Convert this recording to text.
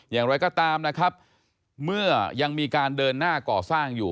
อย่างไรก็ตามนะครับเมื่อยังมีการเดินหน้าก่อสร้างอยู่